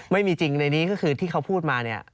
ไม่มีจริงในนี้ก็คือที่เขาพูดมาเนี่ย